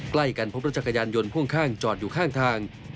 ใกล้กันพบรถจักรยานยนต์พ่วงข้างจอดอยู่ข้างทาง